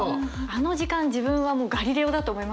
あの時間自分はもうガリレオだと思いますよね。